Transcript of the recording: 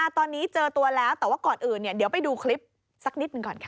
ตอนนี้เจอตัวแล้วแต่ว่าก่อนอื่นเดี๋ยวไปดูคลิปสักนิดหนึ่งก่อนค่ะ